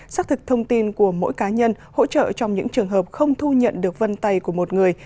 xác thực thông tin của mỗi cá nhân hỗ trợ trong những trường hợp không thu nhận được vân tay của một người